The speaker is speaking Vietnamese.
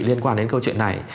liên quan đến câu chuyện này